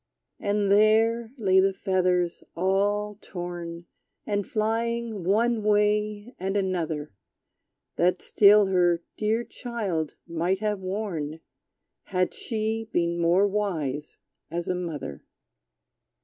And there lay the feathers, all torn. And flying one way and another, That still her dear child might have worn, Had she been more wise as a mother.